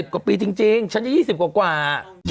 กว่าปีจริงฉันจะ๒๐กว่า